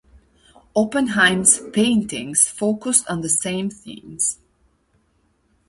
Oppenheim's paintings focused on the same themes.